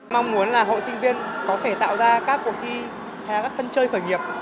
mong muốn là hội sinh viên có thể tạo ra các cuộc thi hay các sân chơi khởi nghiệp